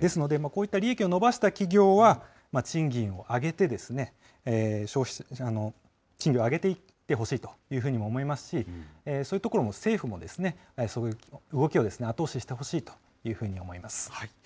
ですので、こうした利益を伸ばした企業は、賃金を上げて、賃金を上げていってほしいというふうに思いますし、そういうところも、政府も、その動きを後押ししてほしいというふうに思います。